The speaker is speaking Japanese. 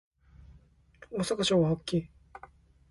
大阪城は大きい